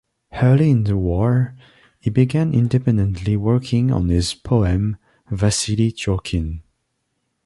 Early in the war, he began independently working on his poem "Vasili Tyorkin".